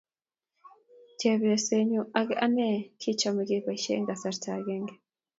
chepyosenyu ak anee kechome kebaishe eng kasarta agenge